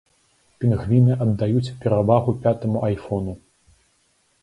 Пінгвіны аддаюць перавагу пятаму айфону.